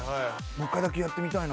もう１回だけやってみたいな。